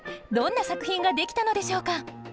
どんな作品ができたのでしょうか？